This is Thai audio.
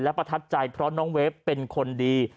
ประทับใจเพราะน้องเวฟเป็นคนดี